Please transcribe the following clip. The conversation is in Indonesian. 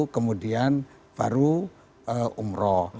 kemudian baru umroh